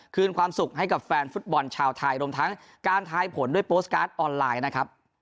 คืนความสุขให้กับแฟนฟุตบอลชาวไทยรวมทั้งการทายผลด้วยโพสต์การ์ดออนไลน์นะครับ